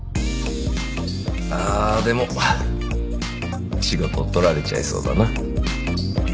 ああでも仕事取られちゃいそうだな。